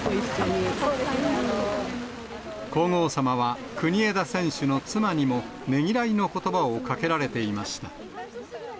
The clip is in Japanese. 皇后さまは、国枝選手の妻にもねぎらいのことばをかけられていました。